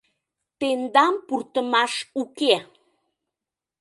— Тендам пуртымаш уке!